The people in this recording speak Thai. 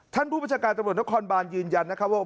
ท่านผู้ประชาการตรวจนครบานยืนยันนะครับว่า